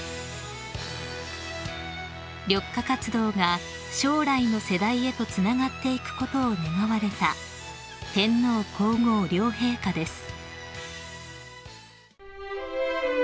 ［緑化活動が将来の世代へとつながっていくことを願われた天皇皇后両陛下です］